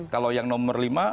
kalau yang nomor lima